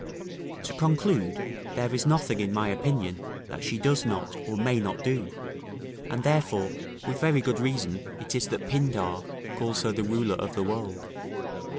To conclude; there is nothing, in my opinion, that she does not, or may not do; and therefore, with very good reason it is that Pindar calls her the ruler of the world.